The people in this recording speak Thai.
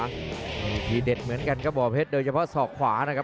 มีทีเด็ดเหมือนกันครับบ่อเพชรโดยเฉพาะศอกขวานะครับ